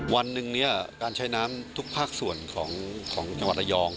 วันหนึ่งเนี่ยการใช้น้ำทุกภาคส่วนของจังหวัดระยอง